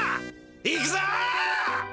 行くぞ！